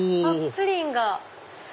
プリンが。